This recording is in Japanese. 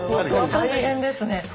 大変ですね。